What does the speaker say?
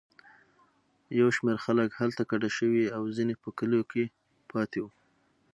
یو شمېر خلک هلته کډه شوي او ځینې په کلیو کې پاتې وو.